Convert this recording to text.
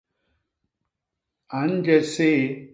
A nje séé.